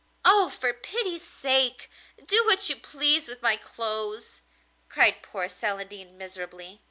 'Oh! for pity's sake, do what you please with my clothes,' cried poor Celandine miserably.